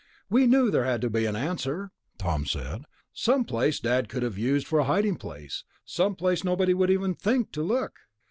"We knew there had to be an answer," Tom said, "some place Dad could have used for a hiding place, some place nobody would even think to look.